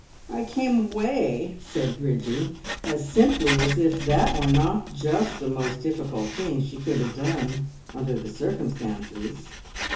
I came away!" said Bridgie, as simply as if that were not just the most difficult thing she could have done under the circumstances.